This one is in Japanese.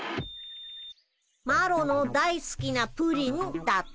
「マロのだいすきなプリン」だって。